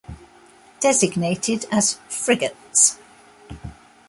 Designated as frigates.